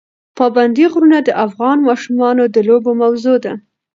پابندی غرونه د افغان ماشومانو د لوبو موضوع ده.